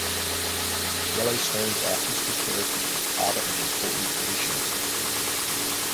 Yellowstone's artistic heritage is part of an important tradition.